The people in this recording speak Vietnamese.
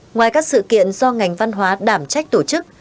ngoài các sự kiện do ngành văn hóa đảm trách tổ chức